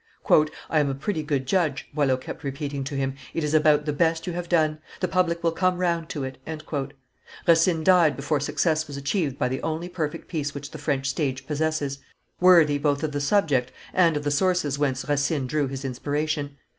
"I am a pretty good judge," Boileau kept repeating to him: "it is about the best you have done; the public will come round to it." Racine died before success was achieved by the only perfect piece which the French stage possesses, worthy both of the subject and of the sources whence Racine drew his inspiration.